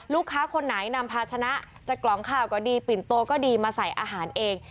ลูกค้าคนไหนนำพาชนะจัดกลองข้าก็ดีปิ่นโต๊ะก็ดีมาใส่อาหารเอง